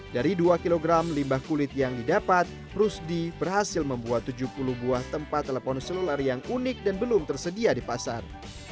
dari dua kg limbah kulit yang didapat rusdi berhasil membuat tujuh puluh buah tempat telepon seluler yang unik dan belum tersedia di pasar